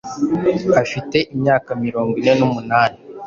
afite imyaka mirongo ine numunani